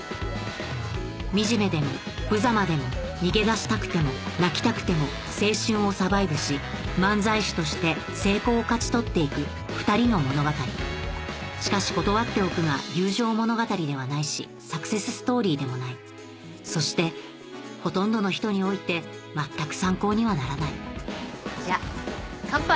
惨めでもぶざまでも逃げ出したくても泣きたくても青春をサバイブし漫才師として成功を勝ち取っていくふたりの物語しかし断っておくが友情物語ではないしサクセスストーリーでもないそしてほとんどの人において全く参考にはならないじゃあ乾杯。